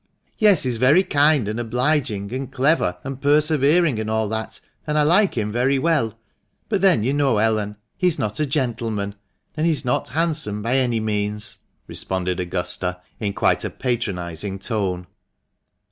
"Yes, he's very kind, and obliging, and clever, and persevering, and all that, and I like him very well ; but then you know, Ellen, he is not a gentleman, and he is not handsome by any means," responded Augusta, in quite a patronising tone.